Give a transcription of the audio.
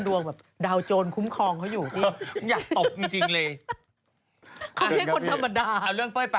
วันที่สุดท้าย